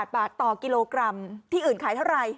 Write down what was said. ๘บาทต่อกิโลกรัมที่อื่นขายเท่าไร